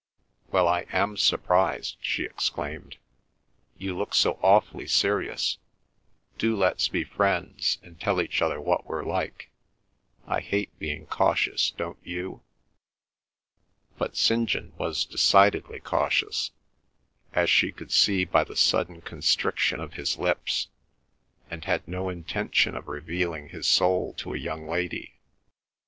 "Well, I am surprised!" she exclaimed. "You look so awfully serious. Do let's be friends and tell each other what we're like. I hate being cautious, don't you?" But St. John was decidedly cautious, as she could see by the sudden constriction of his lips, and had no intention of revealing his soul to a young lady.